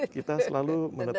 kita selalu menetapkan